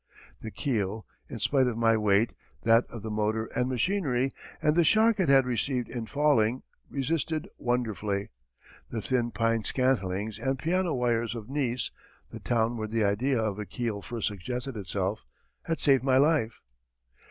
The keel, in spite of my weight, that of the motor and machinery, and the shock it had received in falling, resisted wonderfully. The thin pine scantlings and piano wires of Nice (the town where the idea of a keel first suggested itself) had saved my life!